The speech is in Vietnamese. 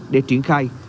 để triển khai